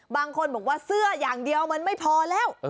บางคนบอกว่าเสื้ออย่างเดียวมันไม่พอแล้ว